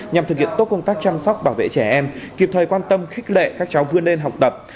nhằm thực hiện tốt công tác chăm sóc bảo vệ trẻ em kịp thời quan tâm khích lệ các cháu vươn lên học tập